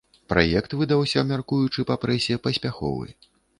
Праект выдаўся, мяркуючы па прэсе, паспяховы.